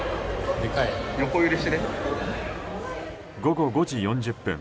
午後５時４０分